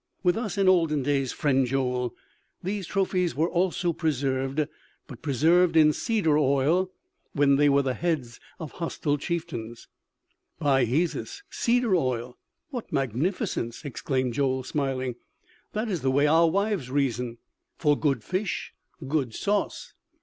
"With us, in olden days, friend Joel, these trophies were also preserved, but preserved in cedar oil when they were the heads of a hostile chieftain." "By Hesus! Cedar oil!... What magnificence!" exclaimed Joel smiling. "That is the way our wives reason: 'for good fish, good sauce.'"